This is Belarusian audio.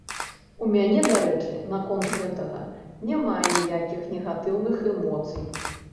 У мяне, дарэчы, наконт гэтага няма ніякіх негатыўных эмоцый.